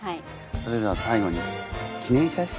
それでは最後に記念写真を。